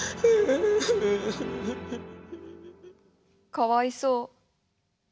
かわいそう。